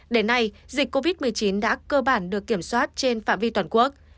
đến nay dịch covid một mươi chín đã cơ bản được kiểm soát trên phạm vi toàn quốc